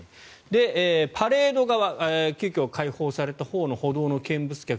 パレード側急きょ開放されたほうの歩道の見物客